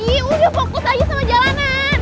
ini udah fokus aja sama jalanan